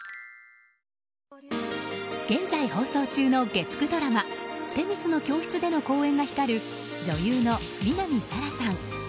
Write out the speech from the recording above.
現在放送中の月９ドラマ「女神の教室」での好演が光る女優の南沙良さん。